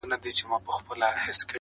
ه بيا دي په سرو سترگو کي زما ياري ده’